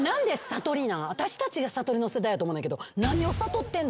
私たちがさとりの世代やと思うねんけど。